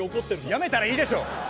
やめたらいいでしょう。